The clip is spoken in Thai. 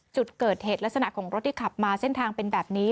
จุดเกิดเหตุลักษณะของรถที่ขับมาเส้นทางเป็นแบบนี้